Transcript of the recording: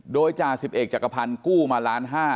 โดยจ่าสิบเอกจักรพันธ์กู้มาล้านห้า